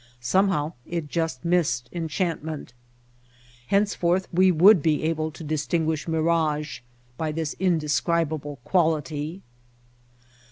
Somehow it just missed enchantment. Hence forth we would be able to distinguish mirage by this indescribable quality.